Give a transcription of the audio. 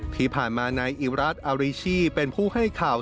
ที่ผ่านมานายอิรัตนอาริชีเป็นผู้ให้ข่าว